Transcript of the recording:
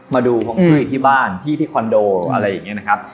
มาดูฮวงจุ้ยที่บ้านที่ที่คอนโดอะไรอย่างนี้นะครับ